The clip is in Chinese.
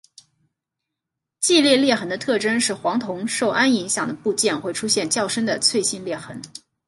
季裂裂痕的特征是黄铜受氨影响的部件会出现较深的脆性裂痕。